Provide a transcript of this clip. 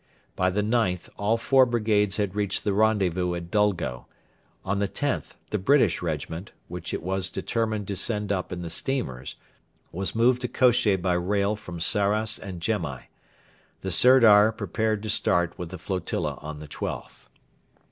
By the 9th all four brigades had reached the rendezvous at Dulgo; on the 10th the British regiment, which it was determined to send up in the steamers, was moved to Kosheh by rail from Sarras and Gemai. The Sirdar prepared to start with the flotilla on the 12th.